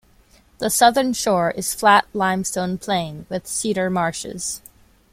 The southern shore is flat limestone plain, with cedar marshes.